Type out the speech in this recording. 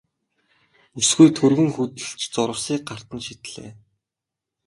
Бүсгүй түргэн хөдөлж зурвасыг гарт нь шидлээ.